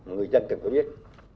người dân cần có biết